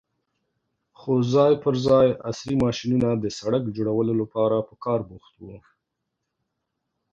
خو ځای پر ځای عصرې ماشينونه د سړک جوړولو لپاره په کار بوخت وو.